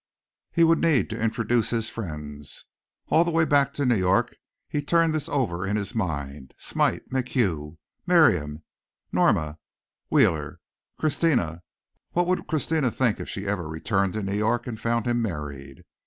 He would need to introduce his friends. All the way back to New York he turned this over in his mind Smite, MacHugh, Miriam, Norma, Wheeler, Christina what would Christina think if she ever returned to New York and found him married?